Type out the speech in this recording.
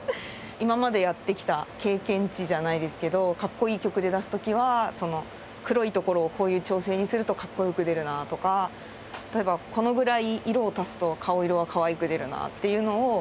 今までやってきた経験値じゃないですけどかっこいい曲で出す時は黒いところをこういう調整にするとかっこよく出るなとか例えばこのぐらい色を足すと顔色はかわいく出るなっていうのを。